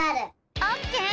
オッケー！